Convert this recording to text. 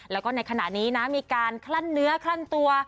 แล้วก็ในขณะนี้นะมีการคลั่นเนื้อคลั่นตัว